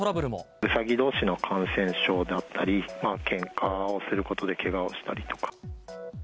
ウサギどうしの感染症であったり、けんかをすることでけがをしたりとか。